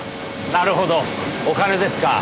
なるほどお金ですか。